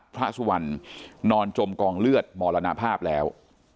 พระสุวรรณนอนจมกองเลือดมรณภาพแล้ว